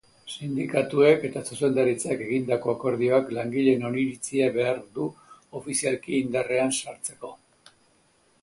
Sindikatuek eta zuzendaritzak egindako akordioak langileen oniritzia behar du ofizialki indarrean sartzeko.